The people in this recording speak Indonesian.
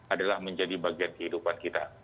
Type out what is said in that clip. adalah menjadi bagian kehidupan kita